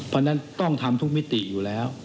เพราะฉะนั้นต้องทำทุกมิติอยู่แล้ว